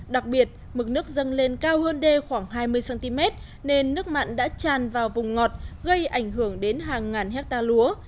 đặc biệt mực nước dâng lên cao hơn đê khoảng hai mươi cm nên nước mặn đã tràn vào vùng ngọt gây ảnh hưởng đến hàng ngàn hectare lúa